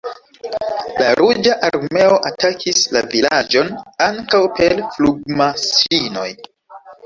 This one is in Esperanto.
La Ruĝa Armeo atakis la vilaĝon ankaŭ per flugmaŝinoj.